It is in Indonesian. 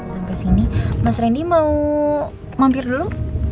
sampai sini mas randy mau mampir dulu